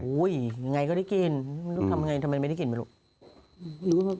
อย่างไรก็ได้กินทำไมไม่ได้กินหรือเปล่า